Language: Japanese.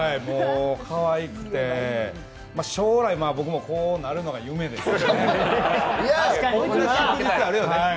もうかわいくて、将来、僕もこうなるのが夢ですね。